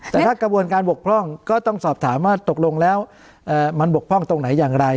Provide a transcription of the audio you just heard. แต่ถ้ากระบวนการบกพร่องก็ต้องสอบถามว่าตกลงแล้วมันบกพร่องตรงไหนอย่างไร